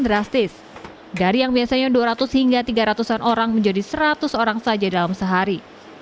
drastis dari yang biasanya dua ratus hingga tiga ratus an orang menjadi seratus orang saja dalam sehari